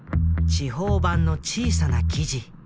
地方版の小さな記事。